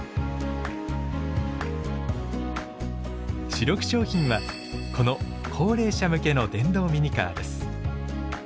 主力商品はこの高齢者向けの電動ミニカーです。